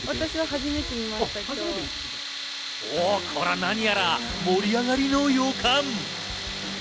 なにやら盛り上がりの予感。